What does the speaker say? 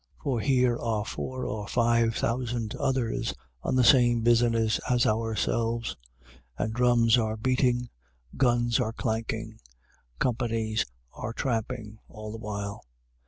For here are four or five thousand others on the same business as ourselves, and drums are beating, guns are clanking, companies are tramping, all the while.